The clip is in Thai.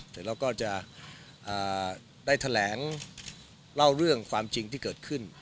แต่เราก็จะได้แถลงเล่าเรื่องความจริงที่เกิดขึ้น